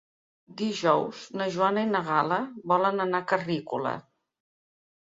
Dijous na Joana i na Gal·la volen anar a Carrícola.